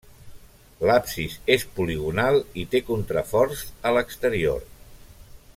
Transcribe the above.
L'absis és poligonal i té contraforts a l'exterior.